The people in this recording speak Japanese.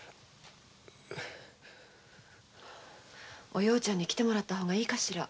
お葉ちゃんに来てもらった方がいいかしら？